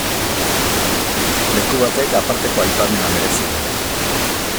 Leku batek aparteko aipamena merezi du.